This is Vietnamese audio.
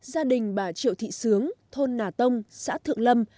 gia đình bà triệu thị sướng thôn nà tông xã thượng lâm